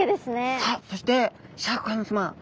さあそしてシャーク香音さま！